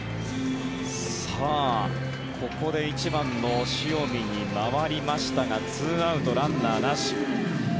ここで１番の塩見に回りましたが２アウト、ランナーなし。